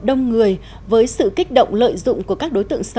đông người với sự kích động lợi dụng của các đối tượng xã hội